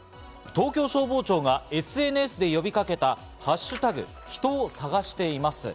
東京消防庁がＳＮＳで呼びかけた「＃人を探しています」。